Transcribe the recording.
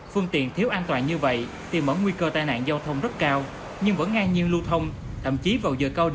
phương tiện thiếu an toàn như vậy thì mở nguy cơ tai nạn giao thông rất cao nhưng vẫn ngang nhiên lưu thông